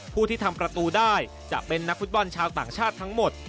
ผู้ที่ทำประตูได้จะเป็นนักฟุตบอลชาวต่างชาติทั้งหมด